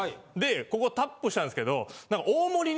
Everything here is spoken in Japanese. ここタップしたんですけどなんか。